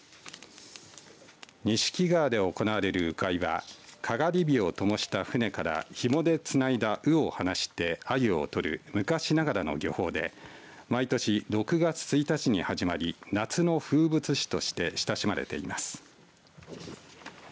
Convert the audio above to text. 錦川で行われる鵜飼いはかがり火をともした舟からひもでつないだ鵜を放してあゆをとる昔ながらの漁法で毎年、６月１日に始まり夏の風物詩として親しまれています。